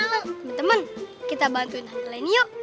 temen temen kita bantuin tante leni yuk